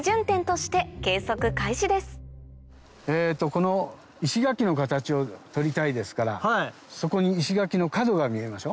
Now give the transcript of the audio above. この石垣の形を取りたいですからそこに石垣の角が見えるでしょ？